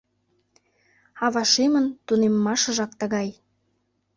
Ава шӱмын тунеммашыжак тыгай...